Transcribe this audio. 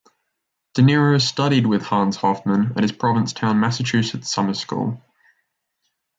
De Niro studied with Hans Hofmann at his Provincetown, Massachusetts summer school.